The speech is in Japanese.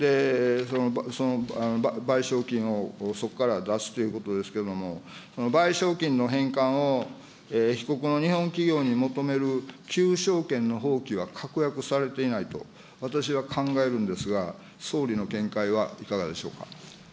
その賠償金をそこから出すということですけれども、その賠償金の返還を被告の日本企業に求める求償権の放棄は確約されていないと私は考えるんですが、総理の見解はいかがでしょうか。